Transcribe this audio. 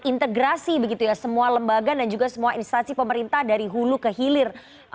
jadi ini berintegrasi begitu ya semua lembaga dan juga semua instansi pemerintah dari hulu ke hilir